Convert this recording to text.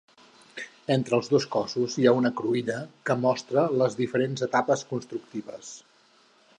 Entre els dos cossos hi ha una cruïlla que mostra les diferents etapes constructives.